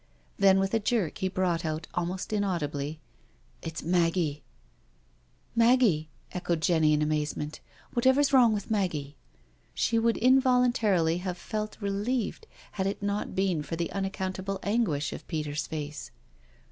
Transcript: Then with a jerk he brought out almost inaudibly : ••It's Maggie I ••! "Maggie?" echoed Jenny in amazement, " what ever 's wrong with Maggie?" She would involuntarily have felt relieved had it not been for the unaccountable anguish of Peter's face.